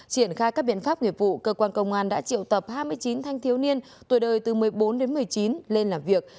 triển khai các biện pháp nghiệp vụ cơ quan công an đã triệu tập hai mươi chín thanh thiếu niên tuổi đời từ một mươi bốn đến một mươi chín lên làm việc